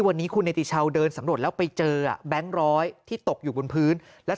วันนี้คุณเดินสำรวจแล้วไปเจอแบ๊งร้อยที่ตกอยู่บนพื้นและ